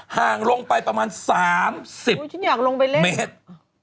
ห่างลงไปประมาณ๓๐เมตร